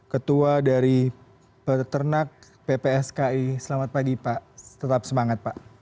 ya dan selain itu ya